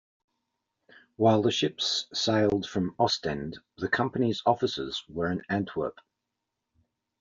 While the ships sailed from Ostend, the company's offices were in Antwerp.